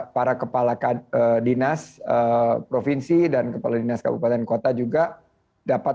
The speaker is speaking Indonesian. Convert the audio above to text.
para kepala dinas provinsi dan kepala dinas kabupaten kota juga dapat